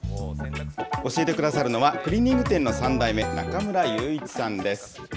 教えてくださるのは、クリーニング店の３代目、中村祐一さんです。